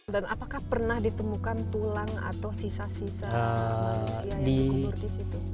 dan apakah pernah ditemukan tulang atau sisa sisa manusia yang berada di dalamnya